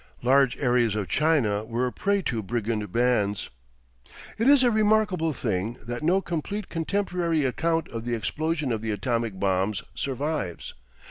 Large areas of China were a prey to brigand bands.... It is a remarkable thing that no complete contemporary account of the explosion of the atomic bombs survives.